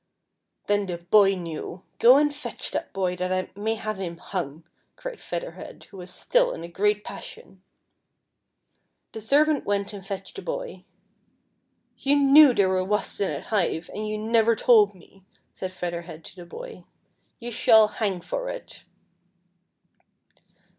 "Then the boy knew; go and fetch that boy that I may have him hung," cried Feather Head, who was still in a great passion. The servant went and fetched the boy. " You knew there were wasps in that hive, and you never told me," said Feather Head to the boy. " You shall hanjT for it."